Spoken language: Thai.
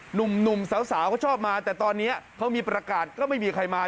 หนุ่มสาวเขาชอบมาแต่ตอนนี้เขามีประกาศก็ไม่มีใครมา